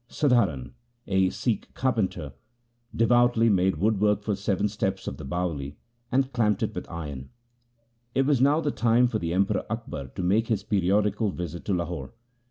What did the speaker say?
Sadha ran, a Sikh carpenter, devoutly made woodwork for seven steps of the Bawali and clamped it with iron. It was now the time for the Emperor Akbar to make his periodical visit to Lahore.